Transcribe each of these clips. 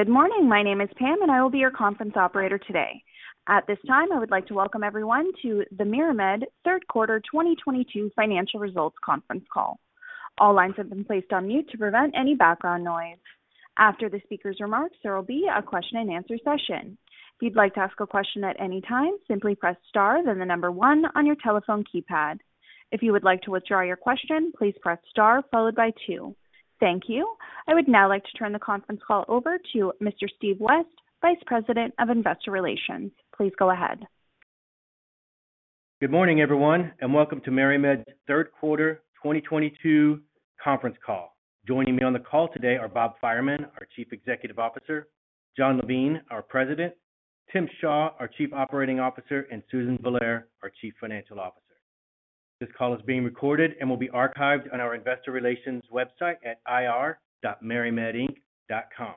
Good morning. My name is Pam, and I will be your conference operator today. At this time, I would like to welcome everyone to the MariMed Third Quarter 2022 Financial Results Conference Call. All lines have been placed on mute to prevent any background noise. After the speaker's remarks, there will be a question and answer session. If you'd like to ask a question at any time, simply press star then the number one on your telephone keypad. If you would like to withdraw your question, please press star followed by two. Thank you. I would now like to turn the conference call over to Mr. Steve West, Vice President of Investor Relations. Please go ahead. Good morning, everyone. Welcome to MariMed's Third Quarter 2022 Conference Call. Joining me on the call today are Robert Fireman, our Chief Executive Officer, Jon Levine, our President, Timothy Shaw, our Chief Operating Officer, and Susan Villare, our Chief Financial Officer. This call is being recorded and will be archived on our investor relations website at ir.marimedinc.com.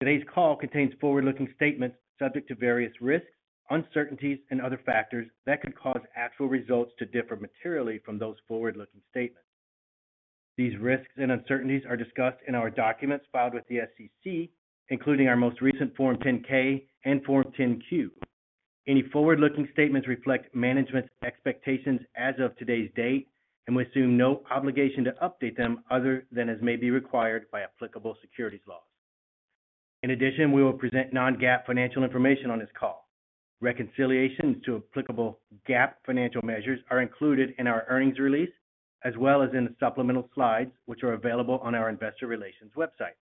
Today's call contains forward-looking statements subject to various risks, uncertainties, and other factors that could cause actual results to differ materially from those forward-looking statements. These risks and uncertainties are discussed in our documents filed with the SEC, including our most recent Form 10-K and Form 10-Q. Any forward-looking statements reflect management's expectations as of today's date and we assume no obligation to update them other than as may be required by applicable securities laws. In addition, we will present non-GAAP financial information on this call. Reconciliations to applicable GAAP financial measures are included in our earnings release, as well as in the supplemental slides, which are available on our investor relations website.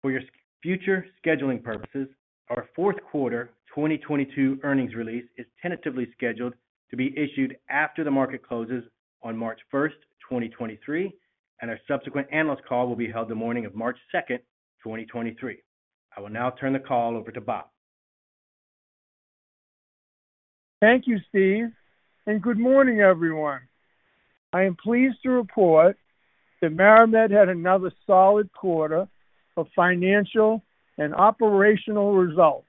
For your future scheduling purposes, our fourth quarter 2022 earnings release is tentatively scheduled to be issued after the market closes on March 1st, 2023, and our subsequent analyst call will be held the morning of March 2nd, 2023. I will now turn the call over to Bob. Thank you, Steve. Good morning, everyone. I am pleased to report that MariMed had another solid quarter of financial and operational results.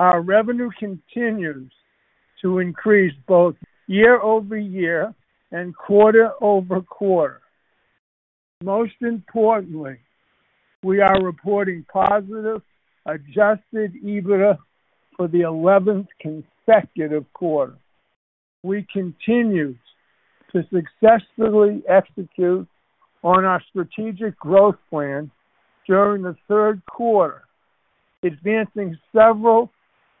Our revenue continues to increase both year-over-year and quarter-over-quarter. Most importantly, we are reporting positive adjusted EBITDA for the 11th consecutive quarter. We continued to successfully execute on our strategic growth plan during the third quarter, advancing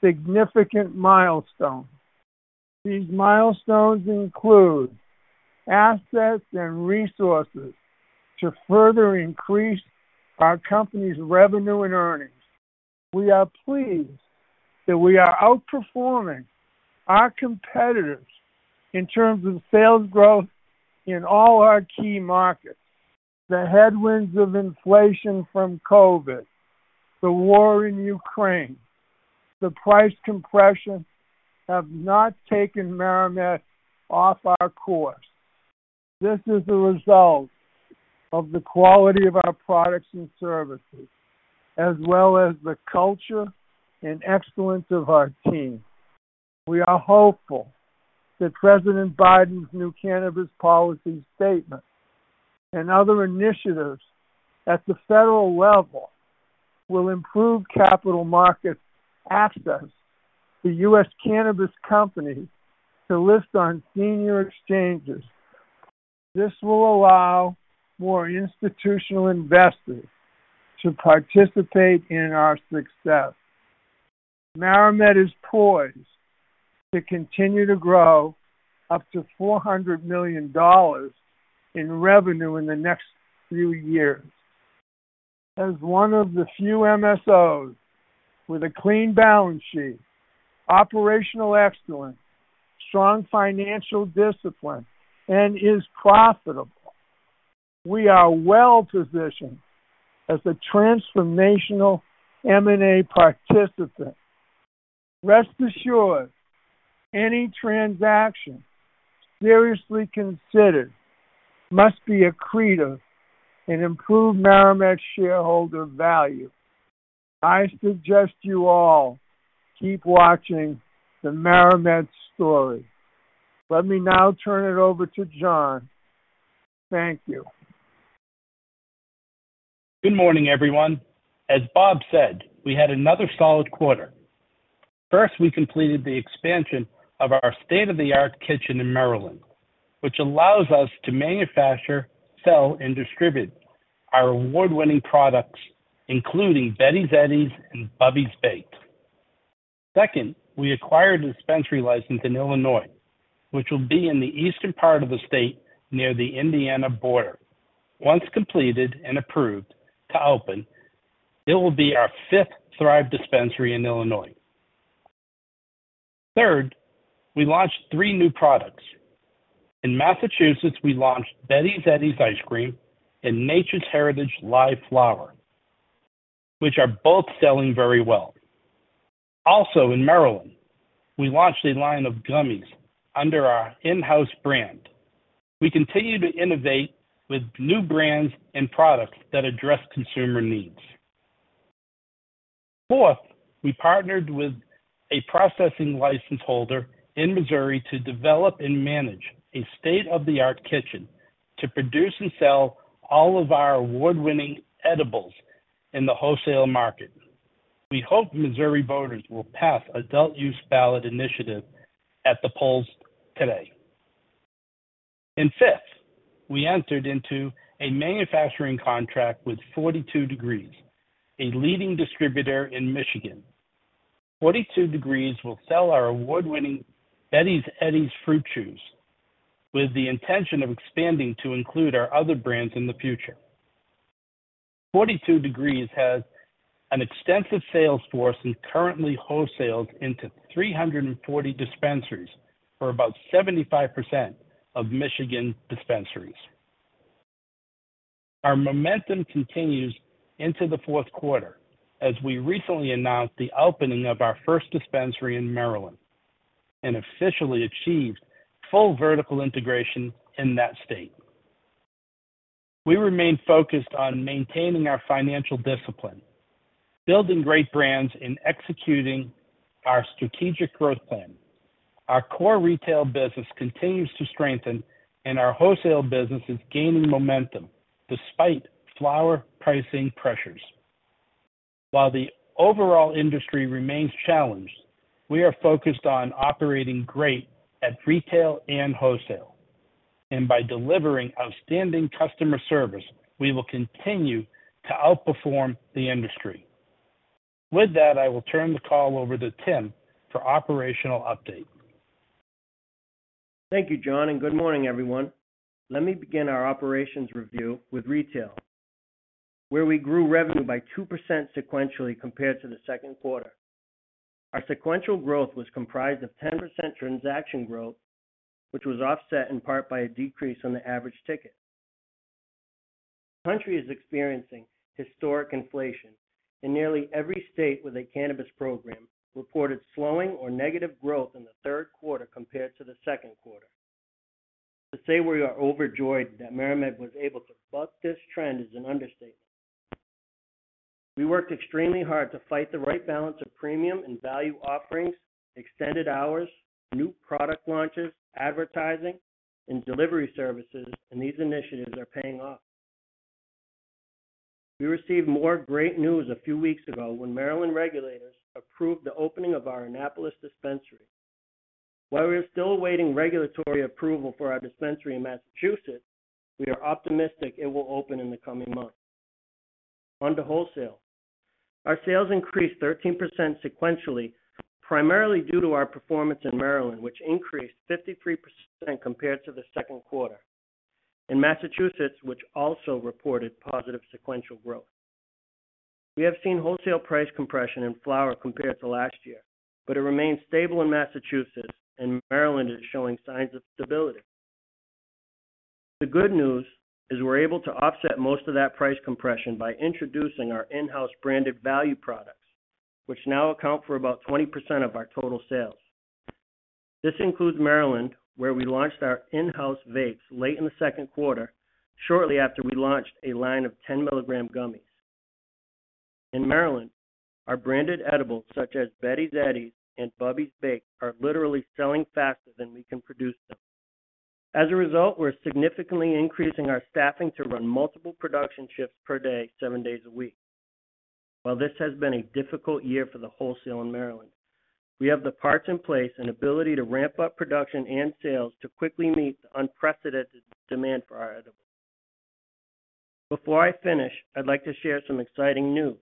several significant milestones. These milestones include assets and resources to further increase our company's revenue and earnings. We are pleased that we are outperforming our competitors in terms of sales growth in all our key markets. The headwinds of inflation from COVID, the war in Ukraine, the price compression have not taken MariMed off our course. This is a result of the quality of our products and services, as well as the culture and excellence of our team. We are hopeful that President Biden's new cannabis policy statement and other initiatives at the federal level will improve capital market access to U.S. cannabis companies to list on senior exchanges. This will allow more institutional investors to participate in our success. MariMed is poised to continue to grow up to $400 million in revenue in the next few years. As one of the few MSOs with a clean balance sheet, operational excellence, strong financial discipline, and is profitable, we are well-positioned as a transformational M&A participant. Rest assured, any transaction seriously considered must be accretive and improve MariMed's shareholder value. I suggest you all keep watching the MariMed story. Let me now turn it over to Jon. Thank you. Good morning, everyone. As Bob said, we had another solid quarter. First, we completed the expansion of our state-of-the-art kitchen in Maryland, which allows us to manufacture, sell, and distribute our award-winning products, including Betty's Eddies and Bubby's Baked. Second, we acquired a dispensary license in Illinois, which will be in the eastern part of the state near the Indiana border. Once completed and approved to open, it will be our fifth Thrive Dispensary in Illinois. Third, we launched three new products. In Massachusetts, we launched Betty's Eddies Ice Cream and Nature's Heritage Live Flower, which are both selling very well. Also, in Maryland, we launched a line of gummies under our InHouse brand. We continue to innovate with new brands and products that address consumer needs. Fourth, we partnered with a processing license holder in Missouri to develop and manage a state-of-the-art kitchen to produce and sell all of our award-winning edibles in the wholesale market. We hope Missouri voters will pass adult use ballot initiative at the polls today. And fifth, we entered into a manufacturing contract with 42 Degrees, a leading distributor in Michigan. 42 Degrees will sell our award-winning Betty's Eddies fruit chews with the intention of expanding to include our other brands in the future. 42 Degrees has an extensive sales force and currently wholesales into 340 dispensaries for about 75% of Michigan dispensaries. Our momentum continues into the fourth quarter as we recently announced the opening of our first dispensary in Maryland, and officially achieved full vertical integration in that state. We remain focused on maintaining our financial discipline, building great brands, and executing our strategic growth plan. Our core retail business continues to strengthen, and our wholesale business is gaining momentum despite flower pricing pressures. While the overall industry remains challenged, we are focused on operating great at retail and wholesale, and by delivering outstanding customer service, we will continue to outperform the industry. With that, I will turn the call over to Tim for operational update. Thank you, Jon, good morning, everyone. Let me begin our operations review with retail, where we grew revenue by 2% sequentially compared to the second quarter. Our sequential growth was comprised of 10% transaction growth, which was offset in part by a decrease on the average ticket. The country is experiencing historic inflation, and nearly every state with a cannabis program reported slowing or negative growth in the third quarter compared to the second quarter. To say we are overjoyed that MariMed was able to buck this trend is an understatement. We worked extremely hard to fight the right balance of premium and value offerings, extended hours, new product launches, advertising, and delivery services, these initiatives are paying off. We received more great news a few weeks ago when Maryland regulators approved the opening of our Annapolis dispensary. While we are still awaiting regulatory approval for our dispensary in Massachusetts, we are optimistic it will open in the coming months. On to wholesale. Our sales increased 13% sequentially, primarily due to our performance in Maryland, which increased 53% compared to the second quarter, Massachusetts, which also reported positive sequential growth. We have seen wholesale price compression in flower compared to last year, but it remains stable in Massachusetts, Maryland is showing signs of stability. The good news is we're able to offset most of that price compression by introducing our InHouse branded value products, which now account for about 20% of our total sales. This includes Maryland, where we launched our InHouse vapes late in the second quarter, shortly after we launched a line of 10-milligram gummies. In Maryland, our branded edibles such as Betty's Eddies and Bubby's Baked are literally selling faster than we can produce them. As a result, we're significantly increasing our staffing to run multiple production shifts per day, seven days a week. While this has been a difficult year for the wholesale in Maryland, we have the parts in place and ability to ramp up production and sales to quickly meet the unprecedented demand for our edibles. Before I finish, I'd like to share some exciting news.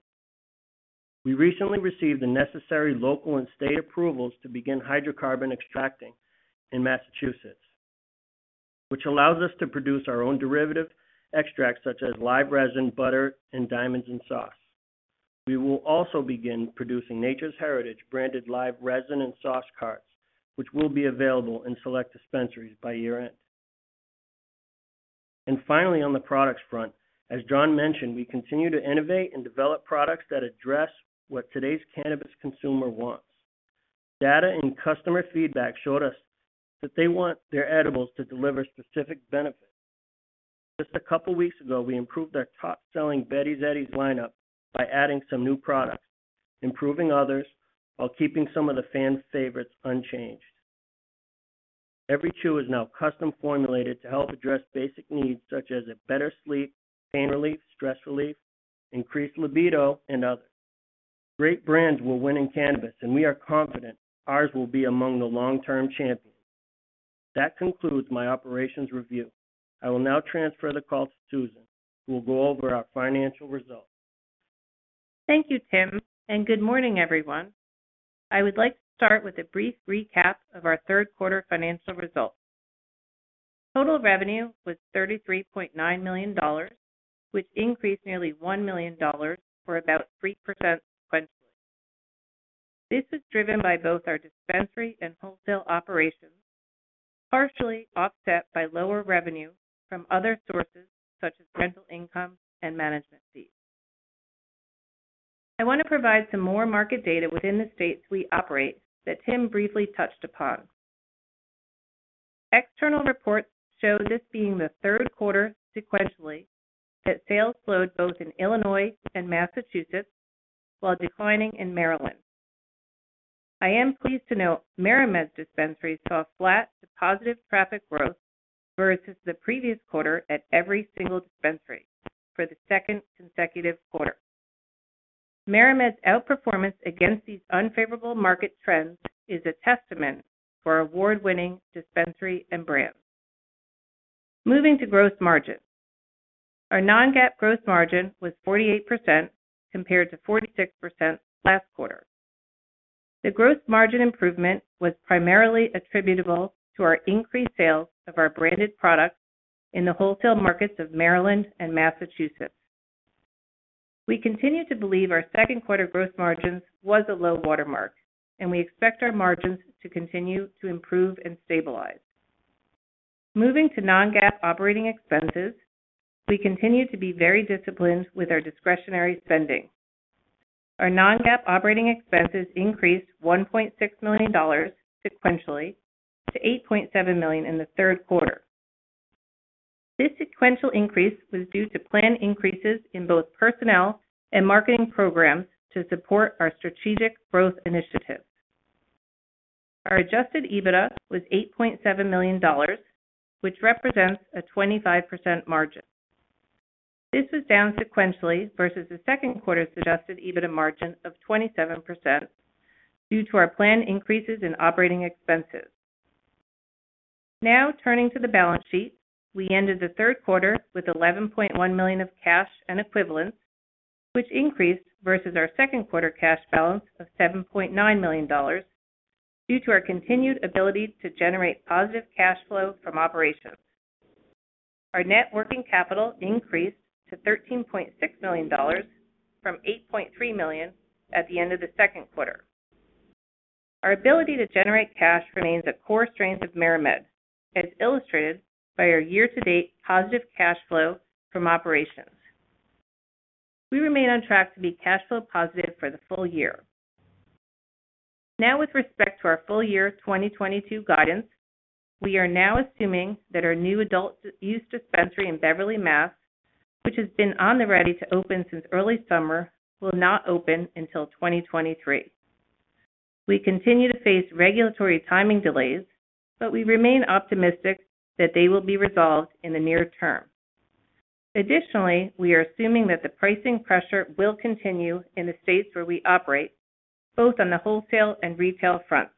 We recently received the necessary local and state approvals to begin hydrocarbon extracting in Massachusetts, which allows us to produce our own derivative extracts such as live resin, butter, and diamonds and sauce. We will also begin producing Nature's Heritage branded live resin and sauce carts, which will be available in select dispensaries by year-end. Finally, on the products front, as Jon mentioned, we continue to innovate and develop products that address what today's cannabis consumer wants. Data and customer feedback showed us that they want their edibles to deliver specific benefits. Just a couple weeks ago, we improved our top-selling Betty's Eddies lineup by adding some new products, improving others, while keeping some of the fans' favorites unchanged. Every chew is now custom formulated to help address basic needs such as a better sleep, pain relief, stress relief, increased libido, and others. Great brands will win in cannabis, we are confident ours will be among the long-term champions. That concludes my operations review. I will now transfer the call to Susan, who will go over our financial results. Thank you, Tim, and good morning, everyone. I would like to start with a brief recap of our third quarter financial results. Total revenue was $33.9 million, which increased nearly $1 million, or about 3% sequentially. This is driven by both our dispensary and wholesale operations, partially offset by lower revenue from other sources such as rental income and management fees. I want to provide some more market data within the states we operate that Tim briefly touched upon External reports show this being the third quarter sequentially that sales slowed both in Illinois and Massachusetts while declining in Maryland. I am pleased to note MariMed's dispensaries saw flat to positive traffic growth versus the previous quarter at every single dispensary for the second consecutive quarter. MariMed's outperformance against these unfavorable market trends is a testament for award-winning dispensary and brand. Moving to gross margin. Our non-GAAP gross margin was 48% compared to 46% last quarter. The gross margin improvement was primarily attributable to our increased sales of our branded products in the wholesale markets of Maryland and Massachusetts. We continue to believe our second quarter gross margins was a low watermark, and we expect our margins to continue to improve and stabilize. Moving to non-GAAP operating expenses, we continue to be very disciplined with our discretionary spending. Our non-GAAP operating expenses increased $1.6 million sequentially to $8.7 million in the third quarter. This sequential increase was due to planned increases in both personnel and marketing programs to support our strategic growth initiatives. Our adjusted EBITDA was $8.7 million, which represents a 25% margin. This is down sequentially versus the second quarter's adjusted EBITDA margin of 27% due to our planned increases in operating expenses. Turning to the balance sheet. We ended the third quarter with $11.1 million of cash and equivalents, which increased versus our second quarter cash balance of $7.9 million due to our continued ability to generate positive cash flow from operations. Our net working capital increased to $13.6 million from $8.3 million at the end of the second quarter. Our ability to generate cash remains a core strength of MariMed, as illustrated by our year-to-date positive cash flow from operations. We remain on track to be cash flow positive for the full year. With respect to our full year 2022 guidance, we are now assuming that our new adult use dispensary in Beverly, Mass, which has been on the ready to open since early summer, will not open until 2023. We continue to face regulatory timing delays. We remain optimistic that they will be resolved in the near term. We are assuming that the pricing pressure will continue in the states where we operate, both on the wholesale and retail fronts.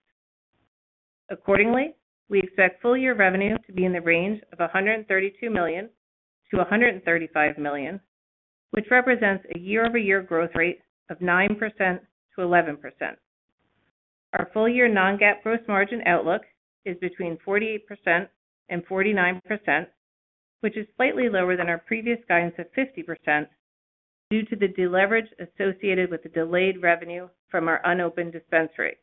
We expect full year revenue to be in the range of $132 million-$135 million, which represents a year-over-year growth rate of 9%-11%. Our full-year non-GAAP gross margin outlook is between 48%-49%, which is slightly lower than our previous guidance of 50% due to the deleverage associated with the delayed revenue from our unopened dispensary.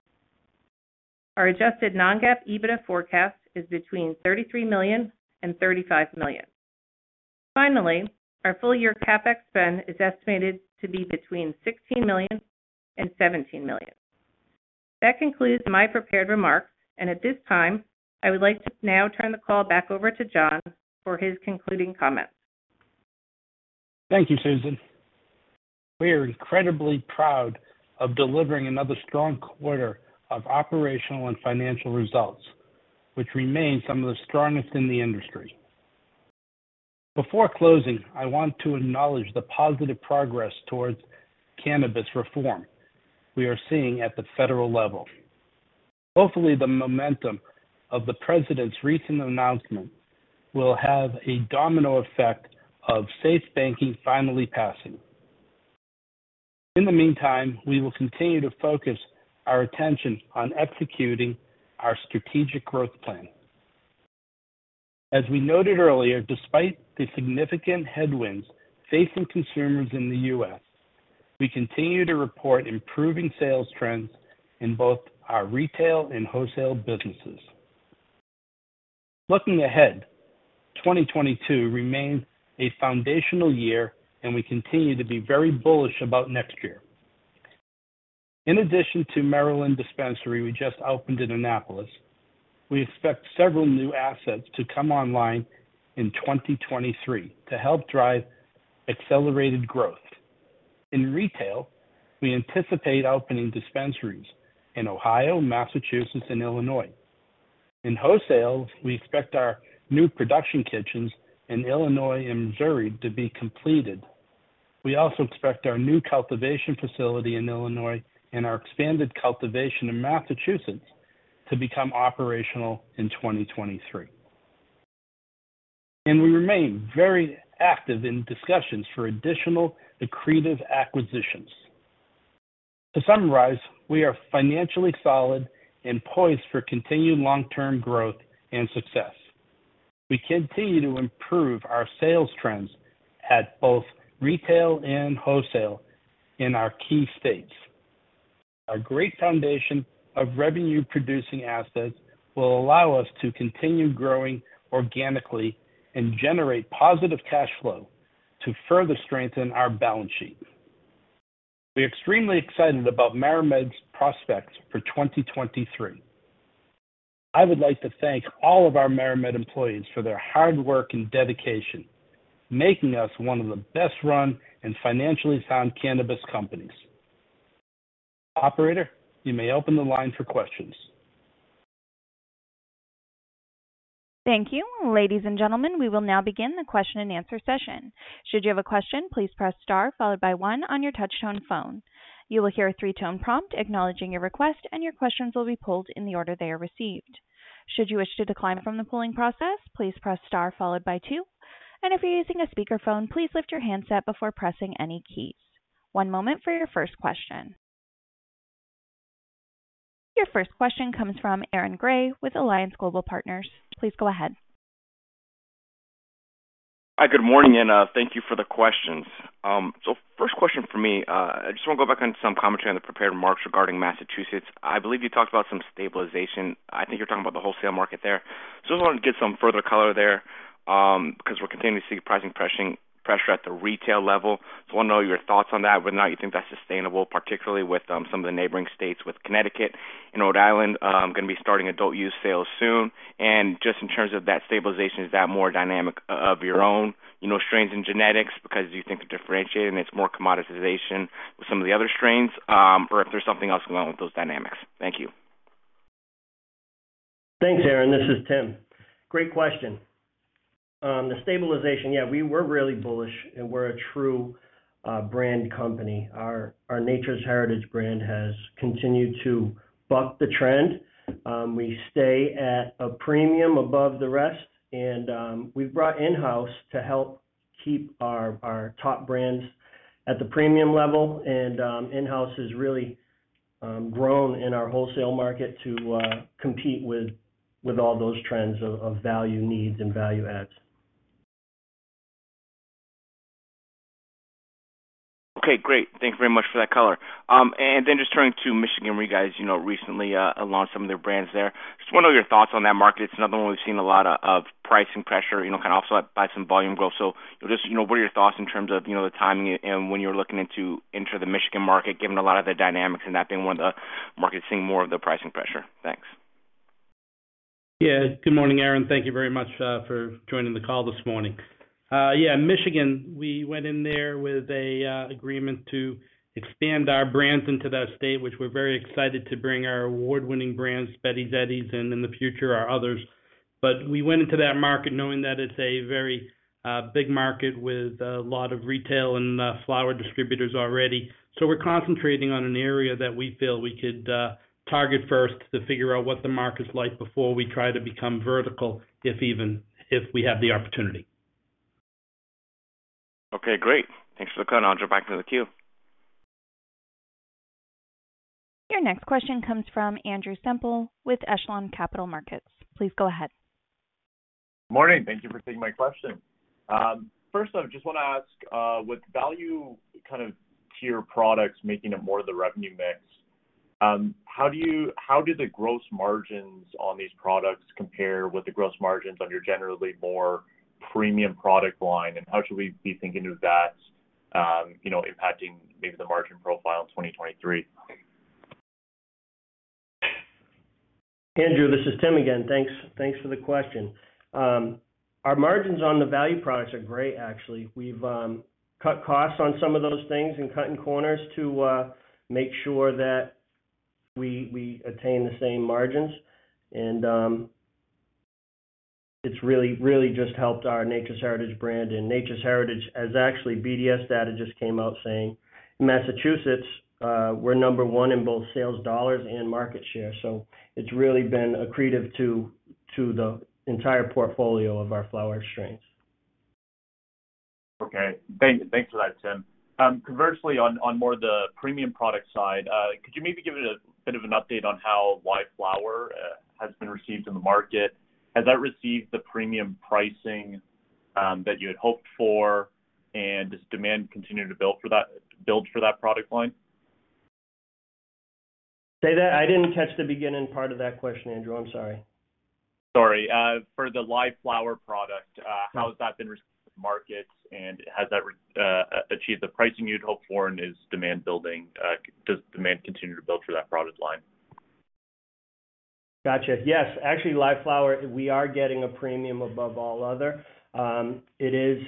Our adjusted non-GAAP EBITDA forecast is between $33 million-$35 million. Our full-year CapEx spend is estimated to be between $16 million-$17 million. That concludes my prepared remarks. At this time, I would like to now turn the call back over to Jon for his concluding comments. Thank you, Susan. We are incredibly proud of delivering another strong quarter of operational and financial results, which remain some of the strongest in the industry. Before closing, I want to acknowledge the positive progress towards cannabis reform we are seeing at the federal level. Hopefully, the momentum of the president's recent announcement will have a domino effect of SAFE Banking finally passing. In the meantime, we will continue to focus our attention on executing our strategic growth plan. As we noted earlier, despite the significant headwinds facing consumers in the U.S., we continue to report improving sales trends in both our retail and wholesale businesses. Looking ahead, 2022 remains a foundational year, and we continue to be very bullish about next year. In addition to Maryland dispensary we just opened in Annapolis, we expect several new assets to come online in 2023 to help drive accelerated growth. In retail, we anticipate opening dispensaries in Ohio, Massachusetts, and Illinois. In wholesale, we expect our new production kitchens in Illinois and Missouri to be completed. We also expect our new cultivation facility in Illinois and our expanded cultivation in Massachusetts to become operational in 2023. We remain very active in discussions for additional accretive acquisitions. To summarize, we are financially solid and poised for continued long-term growth and success. We continue to improve our sales trends at both retail and wholesale in our key states. Our great foundation of revenue-producing assets will allow us to continue growing organically and generate positive cash flow to further strengthen our balance sheet. We're extremely excited about MariMed's prospects for 2023. I would like to thank all of our MariMed employees for their hard work and dedication, making us one of the best-run and financially sound cannabis companies. Operator, you may open the line for questions. Thank you. Ladies and gentlemen, we will now begin the question and answer session. Should you have a question, please press star followed by one on your touch-tone phone. You will hear a three-tone prompt acknowledging your request, and your questions will be pulled in the order they are received. Should you wish to decline from the pooling process, please press star followed by two, and if you're using a speakerphone, please lift your handset before pressing any keys. One moment for your first question. Your first question comes from Aaron Grey with Alliance Global Partners. Please go ahead. Hi, good morning, and thank you for the questions. First question from me, I just want to go back on some commentary on the prepared remarks regarding Massachusetts. I believe you talked about some stabilization. I think you're talking about the wholesale market there. I just wanted to get some further color there, because we're continuing to see pricing pressure at the retail level. I want to know your thoughts on that, whether or not you think that's sustainable, particularly with some of the neighboring states, with Connecticut and Rhode Island going to be starting adult use sales soon. Just in terms of that stabilization, is that more dynamic of your own strains and genetics because you think it differentiates and it's more commoditization with some of the other strains, or if there's something else going on with those dynamics. Thank you. Thanks, Aaron. This is Tim. Great question. The stabilization, we were really bullish, and we're a true brand company. Our Nature's Heritage brand has continued to buck the trend. We stay at a premium above the rest, and we've brought InHouse to help keep our top brands at the premium level. InHouse has really grown in our wholesale market to compete with all those trends of value needs and value adds. Okay, great. Thank you very much for that color. Just turning to Michigan, where you guys recently launched some of the brands there. Just want to know your thoughts on that market. It's another one we've seen a lot of pricing pressure, also by some volume growth. Just what are your thoughts in terms of the timing and when you're looking into enter the Michigan market, given a lot of the dynamics and that being one of the markets seeing more of the pricing pressure? Thanks. Good morning, Aaron. Thank you very much for joining the call this morning. Michigan, we went in there with an agreement to expand our brands into that state, which we're very excited to bring our award-winning brands, Betty's Eddies, and in the future, our others. We went into that market knowing that it's a very big market with a lot of retail and flower distributors already. We're concentrating on an area that we feel we could target first to figure out what the market's like before we try to become vertical, if we have the opportunity. Okay, great. Thanks for the color. I'll jump back into the queue. Your next question comes from Andrew Semple with Echelon Capital Markets. Please go ahead. Morning. Thank you for taking my question. First off, just want to ask, with value tier products making up more of the revenue mix, how do the gross margins on these products compare with the gross margins on your generally more premium product line? How should we be thinking of that impacting maybe the margin profile in 2023? Andrew, this is Tim again. Thanks for the question. Our margins on the value products are great, actually. We've cut costs on some of those things and cutting corners to make sure that we attain the same margins. It's really just helped our Nature's Heritage brand. Nature's Heritage has actually, BDSA data just came out saying Massachusetts, we're number 1 in both sales dollars and market share. It's really been accretive to the entire portfolio of our flower strains. Okay. Thanks for that, Tim. Conversely, on more the premium product side, could you maybe give a bit of an update on how live flower has been received in the market? Has that received the premium pricing that you had hoped for? Does demand continue to build for that product line? Say that again? I didn't catch the beginning part of that question, Andrew. I'm sorry. Sorry. For the live flower product, how has that been received in the markets, has that achieved the pricing you'd hoped for, does demand continue to build for that product line? Got you. Yes. Actually, live flower, we are getting a premium above all other. It is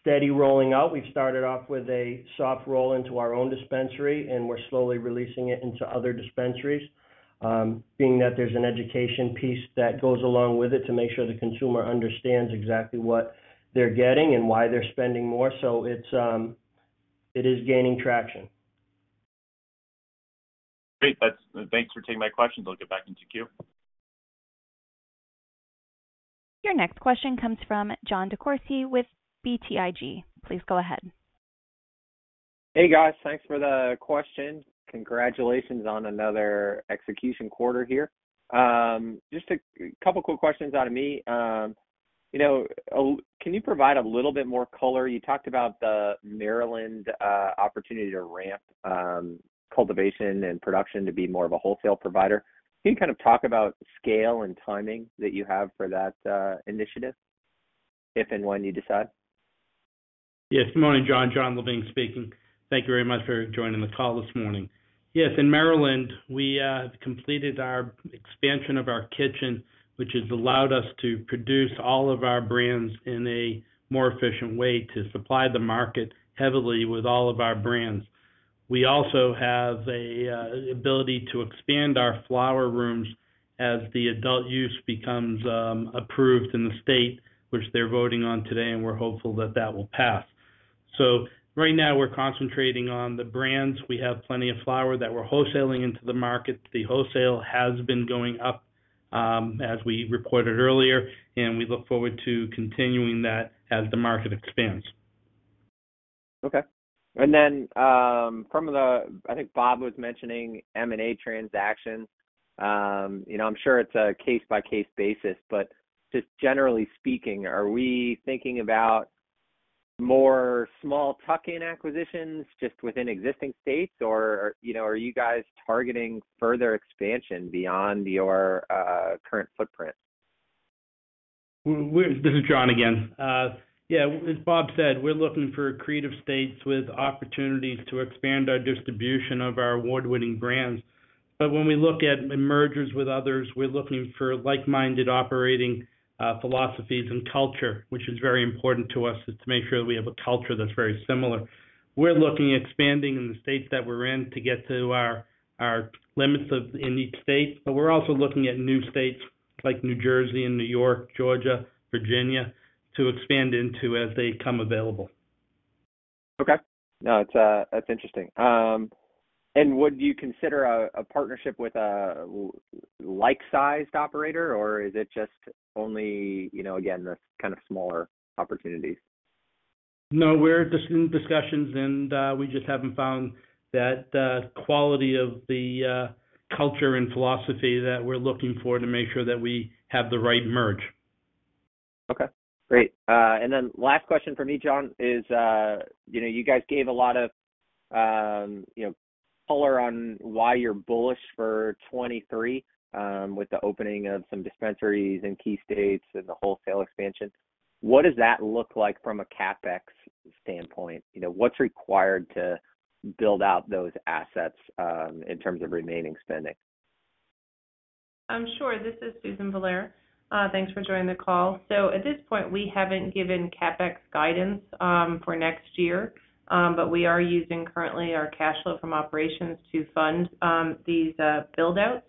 steady rolling out. We've started off with a soft roll into our own dispensary, we're slowly releasing it into other dispensaries, being that there's an education piece that goes along with it to make sure the consumer understands exactly what they're getting and why they're spending more. It is gaining traction. Great. Thanks for taking my questions. I'll get back into queue. Your next question comes from John DeCourcy with BTIG. Please go ahead. Hey, guys. Thanks for the question. Congratulations on another execution quarter here. Just a couple quick questions out of me. Can you provide a little bit more color? You talked about the Maryland opportunity to ramp cultivation and production to be more of a wholesale provider. Can you talk about scale and timing that you have for that initiative? If and when you decide. Yes. Good morning, John. Jon Levine speaking. Thank you very much for joining the call this morning. Yes, in Maryland, we have completed our expansion of our kitchen, which has allowed us to produce all of our brands in a more efficient way to supply the market heavily with all of our brands. We also have an ability to expand our flower rooms as the adult use becomes approved in the state, which they're voting on today, and we're hopeful that that will pass. Right now, we're concentrating on the brands. We have plenty of flower that we're wholesaling into the market. The wholesale has been going up, as we reported earlier, and we look forward to continuing that as the market expands. Okay. I think Bob was mentioning M&A transactions. I'm sure it's a case-by-case basis, but just generally speaking, are we thinking about more small tuck-in acquisitions just within existing states, or are you guys targeting further expansion beyond your current footprint? This is Jon again. Yeah, as Bob said, we're looking for creative states with opportunities to expand our distribution of our award-winning brands. When we look at mergers with others, we're looking for like-minded operating philosophies and culture, which is very important to us, is to make sure that we have a culture that's very similar. We're looking at expanding in the states that we're in to get to our limits in each state. We're also looking at new states like New Jersey and New York, Georgia, Virginia, to expand into as they come available. Okay. No, that's interesting. Would you consider a partnership with a like-sized operator, or is it just only, again, the kind of smaller opportunities? No, we're just in discussions we just haven't found that quality of the culture and philosophy that we're looking for to make sure that we have the right merger. Okay, great. Last question from me, Jon, is you guys gave a lot of color on why you're bullish for 2023, with the opening of some dispensaries in key states and the wholesale expansion. What does that look like from a CapEx standpoint? What's required to build out those assets, in terms of remaining spending? Sure. This is Susan Villare. Thanks for joining the call. At this point, we haven't given CapEx guidance for next year. We are using currently our cash flow from operations to fund these build-outs.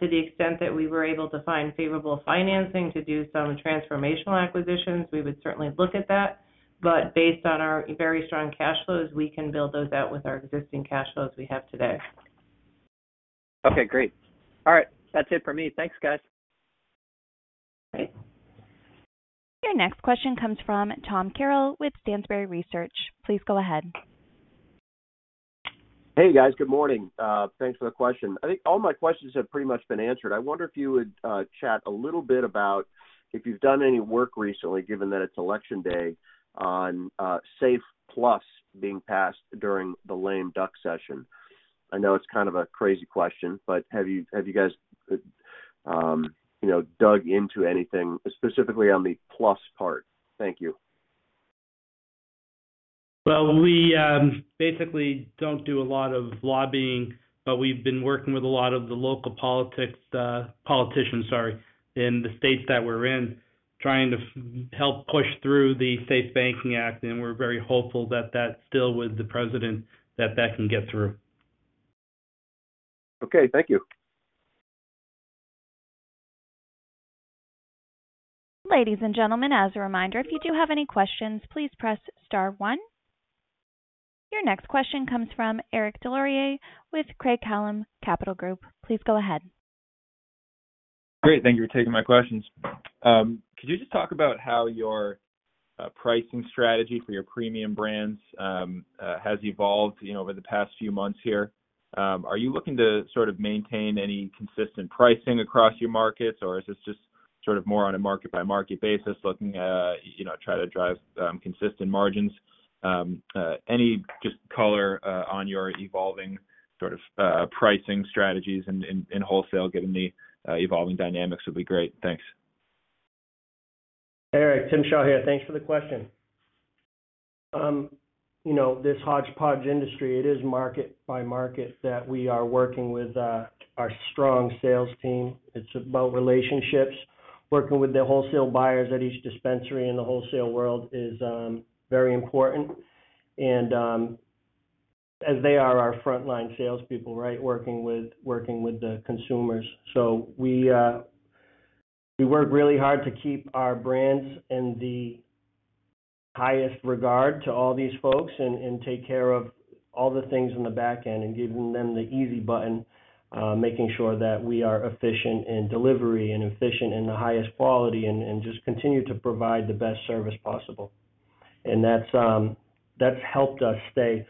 To the extent that we were able to find favorable financing to do some transformational acquisitions, we would certainly look at that. Based on our very strong cash flows, we can build those out with our existing cash flows we have today. Okay, great. All right. That's it for me. Thanks, guys. Great. Your next question comes from Thomas Carroll with Stansberry Research. Please go ahead. Hey, guys. Good morning. Thanks for the question. I think all my questions have pretty much been answered. I wonder if you would chat a little bit about if you've done any work recently, given that it's election day, on SAFE Plus being passed during the lame duck session. I know it's kind of a crazy question, but have you guys dug into anything specifically on the Plus part? Thank you. Well, we basically don't do a lot of lobbying, but we've been working with a lot of the local politicians, sorry, in the states that we're in, trying to help push through the SAFE Banking Act. We're very hopeful that that still, with the president, that that can get through. Okay. Thank you. Ladies and gentlemen, as a reminder, if you do have any questions, please press star one. Your next question comes from Eric Des Lauriers with Craig-Hallum Capital Group. Please go ahead. Great. Thank you for taking my questions. Could you just talk about how your pricing strategy for your premium brands has evolved over the past few months here? Are you looking to maintain any consistent pricing across your markets, or is this just more on a market-by-market basis, looking to try to drive consistent margins? Any just color on your evolving pricing strategies in wholesale, given the evolving dynamics would be great. Thanks. Eric, Timothy Shaw here. Thanks for the question. This hodgepodge industry, it is market by market that we are working with our strong sales team. It's about relationships, working with the wholesale buyers at each dispensary in the wholesale world is very important. As they are our frontline salespeople, right? Working with the consumers. We work really hard to keep our brands in the highest regard to all these folks and take care of all the things on the back end and giving them the easy button, making sure that we are efficient in delivery and efficient in the highest quality and just continue to provide the best service possible. That's helped us stay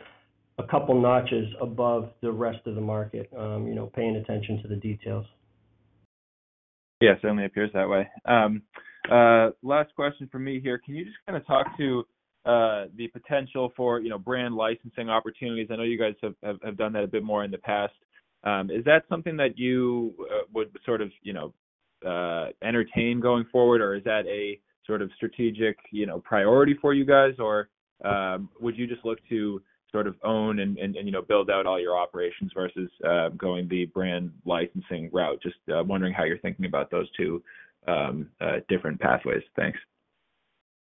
a couple notches above the rest of the market, paying attention to the details. Yeah, certainly appears that way. Last question from me here. Can you just talk to the potential for brand licensing opportunities? I know you guys have done that a bit more in the past. Is that something that you would entertain going forward, or is that a strategic priority for you guys? Or would you just look to own and build out all your operations versus going the brand licensing route? Just wondering how you're thinking about those two different pathways. Thanks.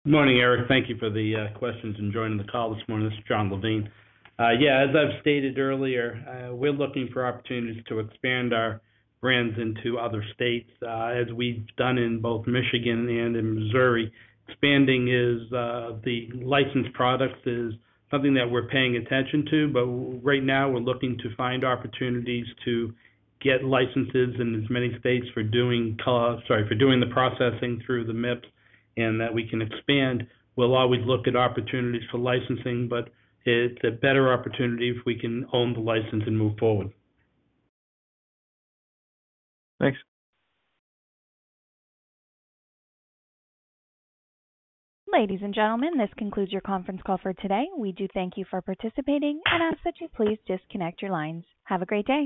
Good morning, Eric. Thank you for the questions and joining the call this morning. This is Jon Levine. Yeah, as I've stated earlier, we're looking for opportunities to expand our brands into other states, as we've done in both Michigan and in Missouri. Expanding the licensed products is something that we're paying attention to, but right now, we're looking to find opportunities to get licenses in as many states for doing the processing through the MIP and that we can expand. We'll always look at opportunities for licensing, but it's a better opportunity if we can own the license and move forward. Thanks. Ladies and gentlemen, this concludes your conference call for today. We do thank you for participating and ask that you please disconnect your lines. Have a great day.